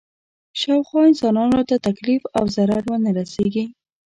شاوخوا انسانانو ته تکلیف او ضرر ونه رسېږي.